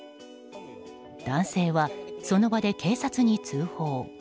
男性は、その場で警察に通報。